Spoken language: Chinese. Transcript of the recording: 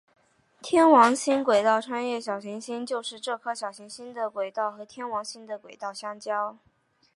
天王星轨道穿越小行星就是这颗小行星的轨道和天王星的轨道相交。